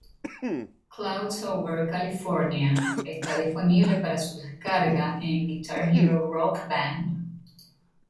Clouds Over California está disponible para su descarga en "Guitar Hero Rock Band".